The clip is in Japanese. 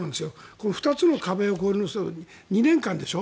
この２つの壁を超えるのは２年間でしょ。